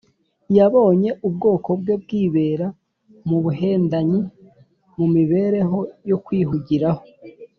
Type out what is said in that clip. ’ Yabonye ubwoko bwe bwibera mu buhendanyi, mu mibereho yo kwihugiraho,